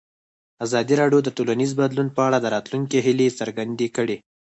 ازادي راډیو د ټولنیز بدلون په اړه د راتلونکي هیلې څرګندې کړې.